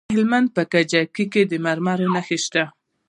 د هلمند په کجکي کې د مرمرو نښې شته.